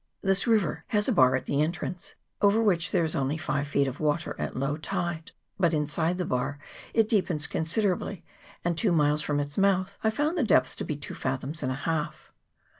This river has a bar at the entrance, over VOL. i. M 162 WAITAKA RIVER. [PART I. which there is only five feet of water at low tide, but inside the bar it deepens considerably, and two miles from its mouth I found the depth to be two fathoms and a half.